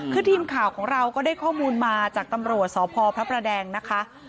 คือทีมข่าวของเราก็ได้ข้อมูลมาจากตำรวจสพพระประแดงนะคะ